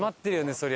そりゃ。